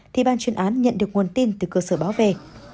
thì ban chuyên án nhận được nguồn tin từ cơ sở báo về